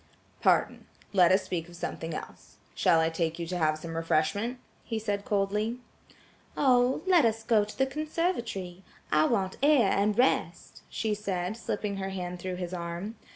"Pardon. Let us speak of something else. Shall I take you to have some refreshment?" he said coldly. "Oh, let us go to the conservatory. I want air and rest," she said, slipping her hand through his arm.